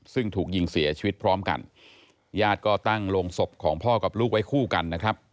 ซึ่งถูกยิงเสียชีวิตพร้อมกันญาติก็ตั้งโรงศพของพ่อกับลูกไว้คู่กันนะครับ